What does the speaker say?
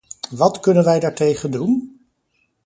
Wat kunnen wij daartegen doen?